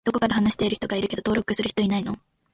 どこかで話している人がいるけど登録する人いないの？